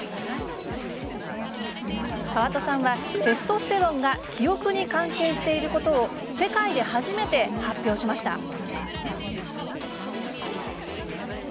川戸さんは、テストステロンが記憶に関係していることを世界で初めて発表しました。